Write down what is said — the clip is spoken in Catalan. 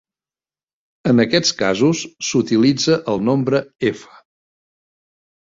En aquests casos s'utilitza el nombre-f.